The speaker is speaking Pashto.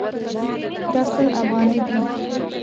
دا سل افغانۍ دي